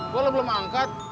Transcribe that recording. kok lo belum angkat